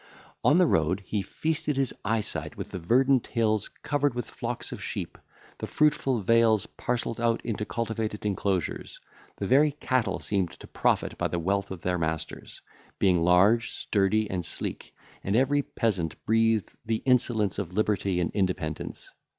On the road, he feasted his eyesight with the verdant hills covered with flocks of sheep, the fruitful vales parcelled out into cultivated enclosures; the very cattle seemed to profit by the wealth of their masters, being large, sturdy, and sleek, and every peasant breathed the insolence of liberty and independence.